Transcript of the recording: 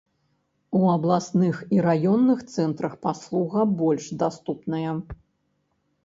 У абласных і раённых цэнтрах паслуга больш даступная.